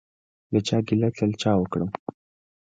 له چا ګیله له چا وکړم؟